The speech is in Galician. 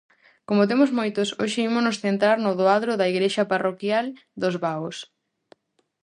Como temos moitos hoxe ímonos centrar no do Adro da igrexa parroquial dos Vaos.